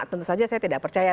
tentu saja saya tidak percaya